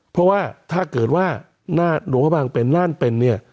เพราะว่าถ้าเกิดว่าหลวงพระบางเป็นน่านเป็นเนี่ย